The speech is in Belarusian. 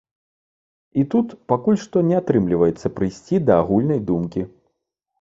І тут пакуль што не атрымліваецца прыйсці да агульнай думкі.